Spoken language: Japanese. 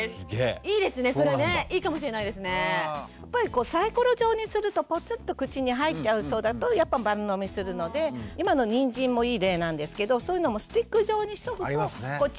やっぱりサイコロ状にするとポツっと口に入っちゃいそうだとやっぱ丸飲みするので今のにんじんもいい例なんですけどそういうのもスティック状にしとくとこうちぎってくっていう。